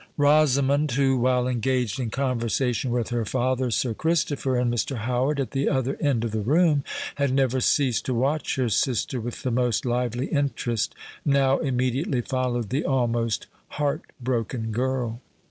Rosamond, who, while engaged in conversation with her father, Sir Christopher, and Mr. Howard at the other end of the room, had never ceased to watch her sister with the most lively interest, now immediately followed the almost heart broken girl.